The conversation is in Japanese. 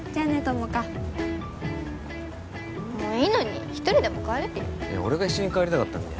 友果もういいのに一人でも帰れるよ俺が一緒に帰りたかったんだ